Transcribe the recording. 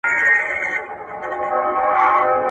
رادرومي عجب خان د ادمخېلو له درې نه